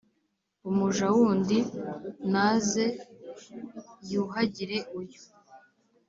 umuja wundi naze yuhagire uyu,